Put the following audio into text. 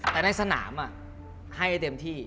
แต่ในสนามให้เต็มที่